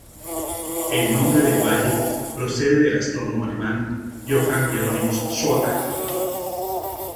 El nombre del valle procede del astrónomo alemán Johann Hieronymus Schröter.